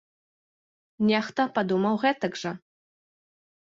Нехта падумаў гэтак жа.